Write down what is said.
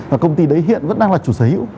và công ty đấy hiện vẫn đang là chủ sở hữu